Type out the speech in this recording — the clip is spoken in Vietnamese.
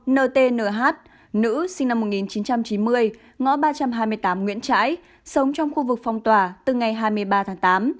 nt nh nữ sinh năm một nghìn chín trăm chín mươi ngõ ba trăm hai mươi tám nguyễn trãi sống trong khu vực phong tỏa từ ngày hai mươi ba tháng tám